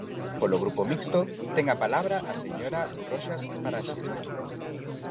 Polo Grupo Mixto, ten a palabra a señora Roxas Paraxes.